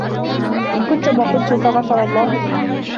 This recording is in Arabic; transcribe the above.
إنْ كُنْت مَا قُلْت فَغَفَرَ اللَّهُ لِي